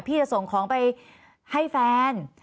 จะส่งของไปให้แฟน